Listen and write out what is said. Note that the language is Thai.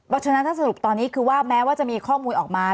เพราะฉะนั้นถ้าสรุปตอนนี้คือว่าแม้ว่าจะมีข้อมูลออกมา